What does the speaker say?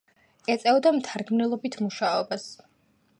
ეწეოდა მთარგმნელობით მუშაობას.